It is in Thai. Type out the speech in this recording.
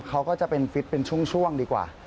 เขาก็จะเป็นฟิตเป็นช่วงดีกว่า